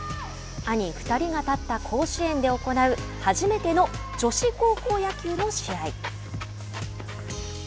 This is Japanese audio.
兄２人が立った甲子園で行う初めての女子高校野球の試合。